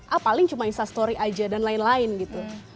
ah paling cuma instastory aja dan lain lain gitu